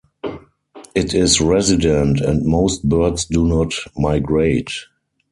It is resident, and most birds do not migrate.